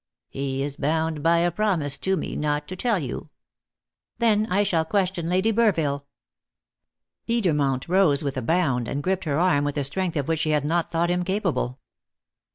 "He is bound by a promise to me not to tell you." "Then, I shall question Lady Burville." Edermont rose with a bound, and gripped her arm with a strength of which she had not thought him capable.